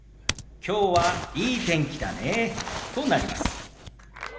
「きょうはいい天気だね」となります。